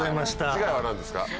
次回は何ですか？